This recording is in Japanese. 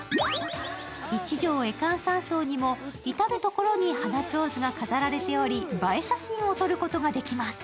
一条恵観山荘にも至る所に花ちょうずが飾られており映え写真を撮ることができます。